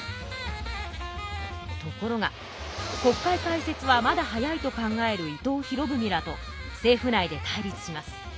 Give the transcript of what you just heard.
ところが国会開設はまだ早いと考える伊藤博文らと政府内で対立します。